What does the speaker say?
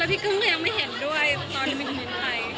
แล้วพี่กุ้มก็ยังไม่เห็นด้วยตอนยังไม่น่าเห็นใคร